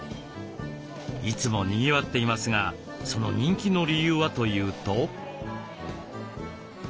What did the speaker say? いつもにぎわっていますがその人気の理由はというと。